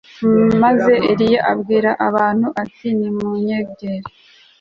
maze Eliya abwira abantu ati Nimunyegere